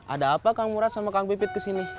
ada apa kang murad sama kang pipit kesini